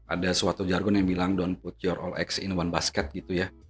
ada suatu jargon yang bilang down put your all x in one basket gitu ya